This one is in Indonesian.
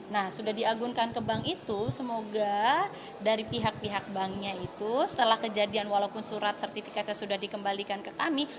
nah sudah diagunkan ke bank itu semoga dari pihak pihak banknya itu setelah kejadian walaupun surat sertifikatnya sudah dikembalikan ke kami